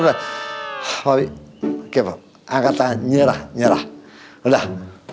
papi oke pak angkat tangan nyerah nyerah udah